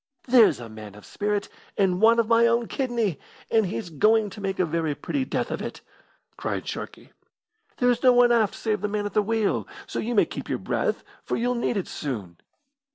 "There's a man of spirit, and one of my own kidney, and he's going to make a very pretty death of it!" cried Sharkey. "There's no one aft save the man at the wheel, so you may keep your breath, for you'll need it soon.